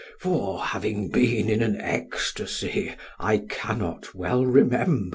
for, having been in an ecstasy, I cannot well remember.